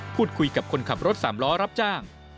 พูดคุยกับคนขับรถสามล้อรับจ้าง